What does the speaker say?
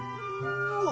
うわ！